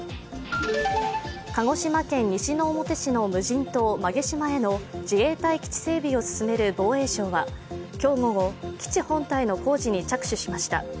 鹿児島県西之表市の無人島、馬毛島への自衛隊基地整備を進める防衛省は今日午後、基地本体の工事に着手しました。